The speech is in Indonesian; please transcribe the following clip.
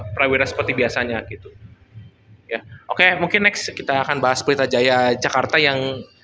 prawira seperti biasanya gitu ya oke mungkin next kita akan bahas pelita jaya jakarta yang